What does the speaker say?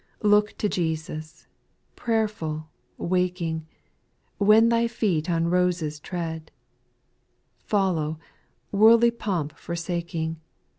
3. Look to Jesus, prayerful, waking, When thy feet on roses tread ; Follow, worldly pomp forsaking.